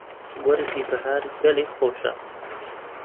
وەرزی بەهار گەلێک خۆشە.